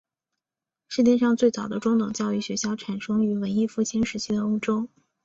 世界上最早的中等教育学校产生于文艺复兴时期的欧洲。